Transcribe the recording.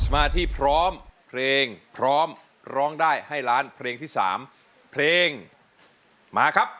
มาที่พร้อมเพลงพร้อมร้องได้ให้ล้านเพลงที่๓เพลงมาครับ